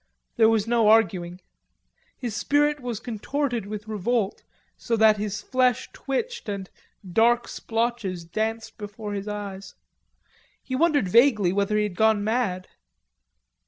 There was no arguing. His spirit was contorted with revolt so that his flesh twitched and dark splotches danced before his eyes. He wondered vaguely whether he had gone mad.